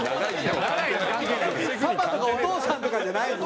パパとかお父さんとかじゃないの？